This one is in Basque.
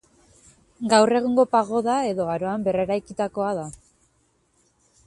Gaur egungo pagoda Edo Aroan berreraikitakoa da.